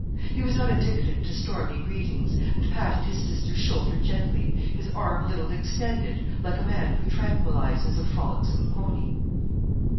He was not addicted to stormy greetings, and patted his sister's shoulder gently, his arm a little extended, like a man who tranquillises a frolicsome pony.